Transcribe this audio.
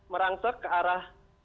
merangsek ke arah